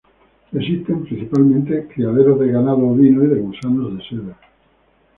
Existen principalmente criaderos de ganado ovino y de gusanos de seda.